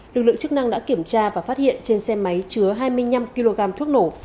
lực lượng chức năng đã kiểm tra và phát hiện trên xe máy chứa hai mươi năm kg thuốc nổ